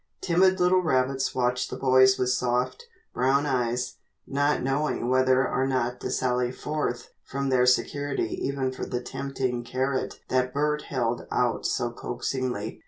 Timid little rabbits watched the boys with soft, brown eyes, not knowing whether or not to sally forth from their security even for the tempting carrot that Bert held out so coaxingly.